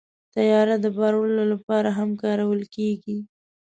طیاره د بار وړلو لپاره هم کارول کېږي.